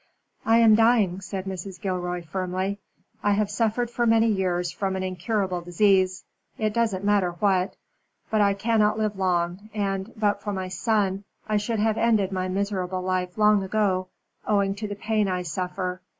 "I am dying," said Mrs. Gilroy, firmly. "I have suffered for many years from an incurable disease it doesn't matter what. But I cannot live long, and, but for my son, I should have ended my miserable life long ago, owing to the pain I suffer.